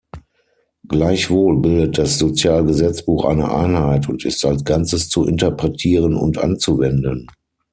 Gleichwohl bildet das Sozialgesetzbuch eine Einheit und ist als Ganzes zu interpretieren und anzuwenden.